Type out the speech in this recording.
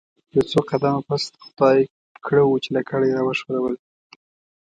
یو څو قدمه پس د خدای کړه وو چې لکړه یې راوښوروله.